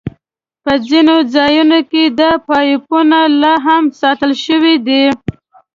په ځینو ځایونو کې دا پایپونه لاهم ساتل شوي دي.